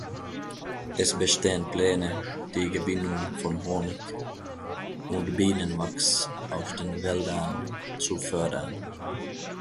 Es bestehen Pläne, die Gewinnung von Honig und Bienenwachs aus den Wäldern zu fördern.